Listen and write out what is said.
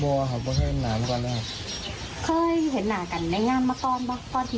เห็นภูมิมากก่อนค่ะเขามีห้องจับเขาเป็นหนามากกดนะครับ